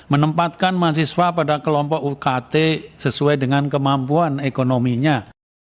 menempatkan mahasiswa pada kelompok ukt sesuai dengan kemampuan ekonominya